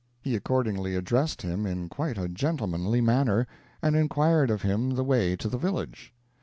He accordingly addressed him in quite a gentlemanly manner, and inquired of him the way to the village.